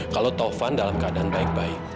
kalau taufan dalam keadaan baik baik